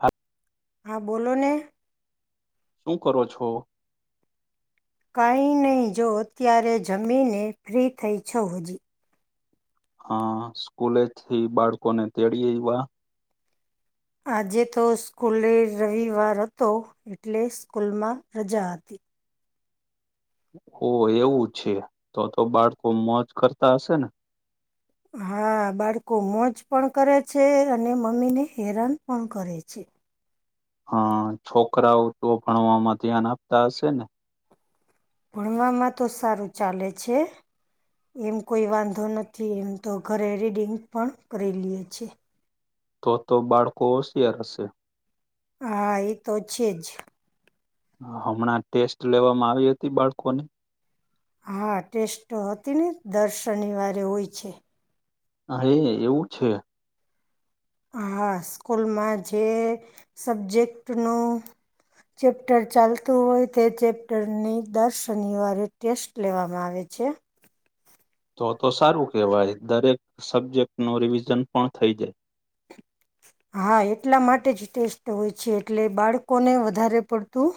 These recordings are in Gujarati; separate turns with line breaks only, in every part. હા.
હા બોલો ને.
શું કરો છો?
કાંઈ નહીં જો અત્યારે જમીને ફ્રી થઈ છો હજી.
હા સ્કૂલે થી બાળકો ને તેડી એવા.
આજે તો સ્કૂલે રવિવાર હતો એટલે સ્કૂલમાં રજા હતી.
ઓ એવું છે, તો તો બાળકો મોજ કરતા હશે ને.
હા બાળકો મોજ પણ કરે છે, અને મમ્મી ને હેરાન પણ કરે છે.
હ છોકરાઓ તો ભણવામાં ધ્યાન આપતા હશે ને.
ભણવામાં તો સારું ચાલે છે. એમ કોઈ વાંધો નથી, એમ તો ઘરે રીડિંગ પણ કરી રહ્યા છે.
તો તો બાળકો હોશિયાર હશે.
હા એ તો છે જ.
હમણાં ટેસ્ટ લેવામાં આવી હતી બાળકો ની.
હા ટેસ્ટ તો હતી ને દર શનિવારે હોય છે.
હે એવું છે.
હા સ્કૂલમાં જે સબ્જેક્ટનું ચેપ્ટર ચાલતું હોય તે ચેપ્ટરની દર શનિવારે ટેસ્ટ લેવામાં આવે છે.
તો તો સારું કેવાય દરેક સબ્જેક્ટ નો રિવિઝન પણ થઇ જાય.
હા એટલા માટે જ ટેસ્ટ હોય છે એટલે બાળકોને વધારે પડતું.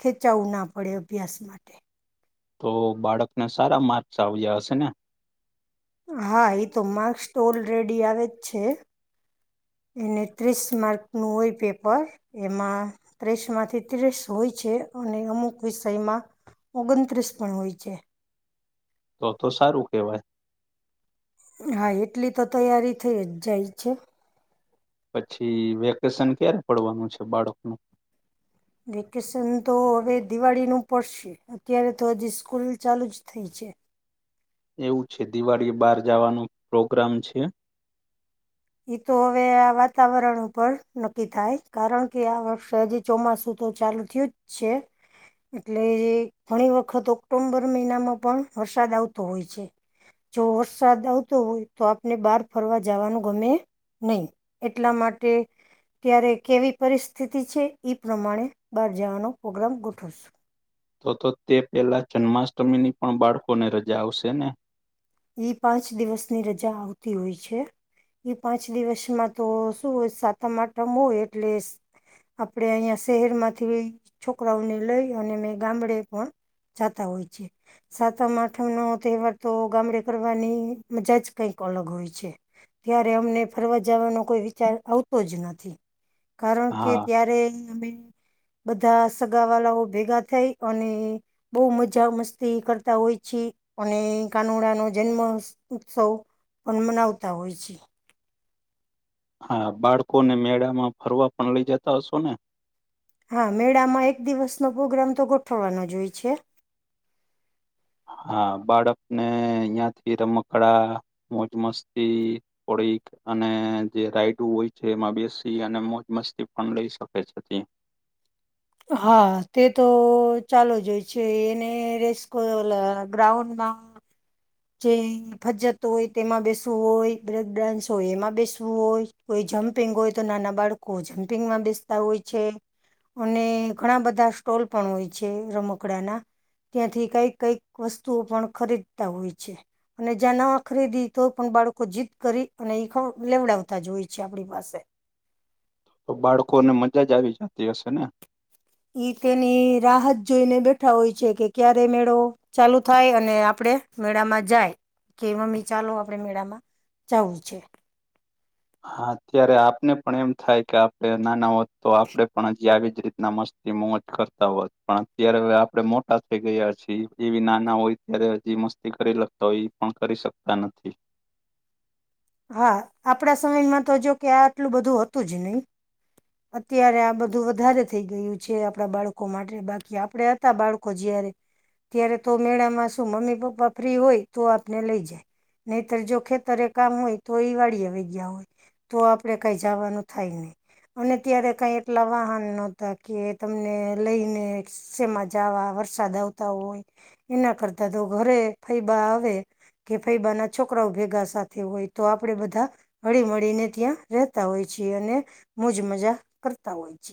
ખેંચાવવું ના પડે અભ્યાસ માટે.
તો બાળકને સારા માર્ક્સ આવ્યા હશે ને.
હા એ તો માર્ક્સ તો ઓલ રેડી આવે જ છે. એને ત્રીસ માર્કનું હોય પેપર એમાં ત્રીસ માંથી ત્રીસ હોય છે, અને અમુક વિષયમાં ઓગણત્રીસ પણ હોય છે.
તો તો સારું કેવાય
હા એટલી તો તૈયારી થઈ જ જાય છે.
પછી વેકેશન ક્યારે પડવાનું છે બાળકનું
વેકેશન તો હવે દિવાળી નું પડશે અત્યારે તો હજી સ્કૂલ ચાલુ જ થઇ છે
એવું છે દિવાળી બહાર જવાનું પ્રોગ્રામ છે
એ તો હવે આ વાતાવરણ ઉપર નક્કી થાય કારણ કે આ વર્ષે હજી ચોમાસું તો ચાલુ થયુ જ છે એટલે ઘણી વખત ઓક્ટોમ્બર મહિનામાં પણ વરસાદ આવતો હોય છે જો વરસાદ આવતો હોય તો આપને બહાર ફરવા જવાનું ગમે નહી એટલા માટે ત્યારે કેવી પરિસ્થિતિ છે એઈ પ્રમાણે બહાર જવાનો પ્રોગ્રામ ગોઠવશું
તો તો તે પેલા જન્માષ્ટમીની પણ બાળકોને રજા આવશે ને
ઈ પાંચ દિવસની રજા આવતી હોય છે એ પાંચ દિવસમાં તો શું હોય સાતમ આટમ હોય એટલે આપણે અહિયાં શહેર માંથી છોકરાઓને લઈ અને મેં ગામડે પણ જતા હોય છે સાતમ આઠમ નો તહેવાર તો ગામડે કરવાની મજા જ કઈક અલગ હોય છે ત્યારે અમને ફરવા જવાનો કોઈ વિચાર આવતો જ નથી કારણ કે
હા
ત્યારે અમે બધા સગા વાળાઓ ભેગા થઈ અને બહુ મજા મસ્તી કરતા હોય છે અને કાનોડા ન જન્મ ઉત્સવ પણ મનાવતા હોય છે
હા બાળકો ને મેળા માં ફરવા પણ લઇ જતા હશો ને
હા મેળામાં એક દિવસનો પ્રોગ્રામ તો ગોઠવવાનો જ હોય છે
હા બાળક ને અહિયાંથી રમકડા મોજ મસ્તી થોડી અને જે રાઈડ હોય છે એમાં બેસી અને મોજ મસ્તી પણ લઈ શકે છે
હા તે તો ચાલુ જ હોય છે એને રેસ્કો ગ્રાઉન્ડમાં જે ફજત હોય તેમાં બેસવું હોય બ્રેક ડન્સ હોય એમાં બેસવું હોય કોઈ જમ્પિંગ હોય તો નાના બાળકો જમ્પિંગમાં બેસતા હોય છે અને ઘણા બધા સ્ટોલ પણ હોય છે રમકડાના ત્યાંથી કઈક કઈક વસ્તુઓ પણ ખરીદતા હોય છે અને જ્યાં નવા ખરીદી તો પણ બાળકો જીત કરી અને લેવડાવતા જ હોય છે આપણી પાસે
તો બાળકો ને મજા જ આવી જતી હશે ને
ઈ તેની રાહત જોઈને બેઠા હોય છે કે ક્યારે મેળો ચાલુ થાય અને આપડે મેળામાં જાય કે મમ્મી ચાલો આપણે મેળામાં જાવું છે
હા ત્યારે આપને પણ એમ થાય કે આપણે નાના હોત તો આપડે પણ હજી આવી જ રીતના મસ્ત મોજ કરતા હોત પણ અત્યારે હવે આપડે મોટા થઈ ગયા છીએ એવી નાના હોય ત્યારે હજી મસ્તી કરી લખતા હોય એ પણ કરી શકતા નથી
હા આપડા સમયમાં તો જો કે આ આટલું બધું હતું જ નહી અત્યારે આ બધું વધારે થઈ ગયું છે આપણા બાળકો માટે બાકી આપડ બાળકો જયારે ત્યારે તો મેળામાં શું મમ્મી પપ્પા ફ્રી હોય તો આપને લઈ જાય નહીતર જો ખેતરે કામ હોય તો એ વાળીયા આવી ગયા હોય તો આપડે કઈ જવાનું થાય નહી અને ત્યારે કઈ એટલા વાહન નહોતા કે તમને લઈને શેમાં જાવ વરસાદ આવતા હોય એના કરતા તો ઘરે ફૈબા આવે કે ફૈબા ના છોકરાઓ ભેગા સાથે હોય તો આપણેે બધા હળી મળીને ત્યાં રતા હોય છે અને મોજ મજા કરતા હોય છે.